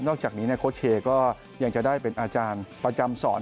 อกจากนี้โค้ชเชย์ก็ยังจะได้เป็นอาจารย์ประจำสอน